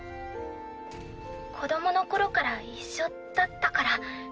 子どもの頃から一緒だったから。